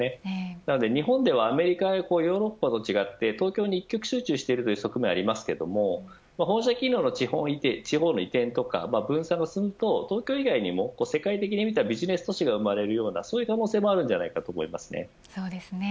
なので日本では、アメリカやヨーロッパと違って東京に一極集中している側面がありますが本社機能の地方の移転とか分散が進むと、東京以外にも世界的なビジネス都市が生まれるようなそういう可能性もあると思います。